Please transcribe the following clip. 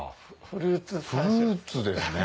フルーツですね